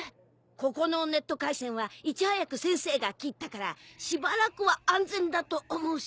ここのネット回線はいち早く先生が切ったからしばらくは安全だと思うっす。